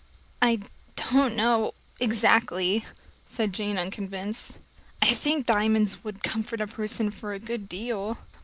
"I don't know exactly," said Jane unconvinced. "I think diamonds would comfort a person for a good deal."